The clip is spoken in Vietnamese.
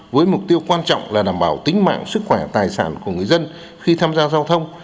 với mục tiêu quan trọng là đảm bảo tính mạng sức khỏe tài sản của người dân khi tham gia giao thông